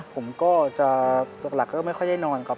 ผมก็จะหลักก็ไม่ค่อยได้นอนครับ